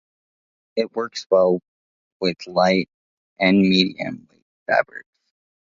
It works well with light- and medium-weight fabrics.